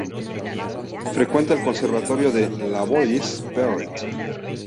Frecuenta el conservatorio de Levallois-Perret.